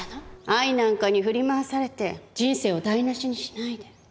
愛なんかに振り回されて人生を台無しにしないで。